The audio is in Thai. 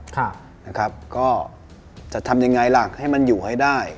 ครับนะครับก็จะทำยังไงล่ะให้มันอยู่ให้ได้